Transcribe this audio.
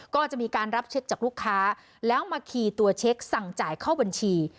ก็จะมีการรับเช็คจากลูกค้าแล้วมาคีย์ตัวเช็คสั่งจ่ายเข้าบัญชี